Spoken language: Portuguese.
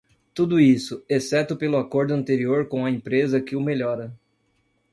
Tudo isso, exceto pelo acordo anterior com a empresa que o melhora.